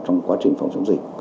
trong quá trình phòng chống dịch